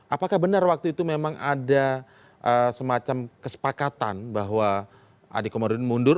apakah benar waktu itu memang ada semacam kesepakatan bahwa adik komarudin mundur